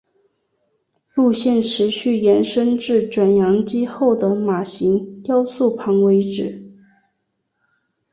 路线持续延伸至卷扬机后的马型雕塑旁为止。